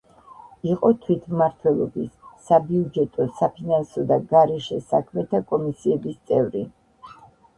იყო თვითმმართველობის, საბიუჯეტო-საფინანსო და გარეშე საქმეთა კომისიების წევრი.